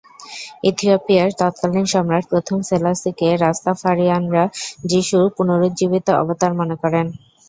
ইথিওপিয়ার তৎকালীন সম্রাট প্রথম সেলাসিকে রাস্তাফারিয়ানরা যিশুর পুনরুজ্জীবিত অবতার মনে করেন।